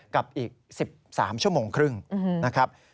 กับอีก๑๓ชั่วโมงครึ่งนะครับ